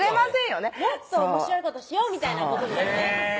「もっとおもしろいことしよう」みたいなことですよね